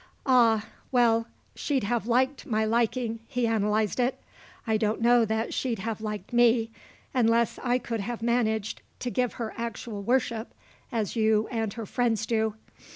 "Ah, well, she'd have liked my liking," he analysed it. "I don't know that she'd have liked me; unless I could have managed to give her actual worship, as you and her friends do.